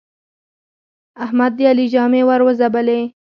احمد د علي ژامې ور وځبلې.